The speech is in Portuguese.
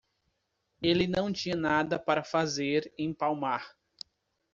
Ele não tinha nada para fazer em Palmar.